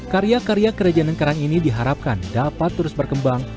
karya karya kerajaan yang kerang ini diharapkan dapat terus berkembang